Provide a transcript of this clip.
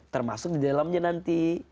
termasuk di dalamnya nanti